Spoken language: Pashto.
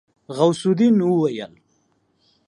غوث الدين وويل.